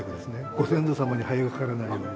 ご先祖様に灰がかからないように。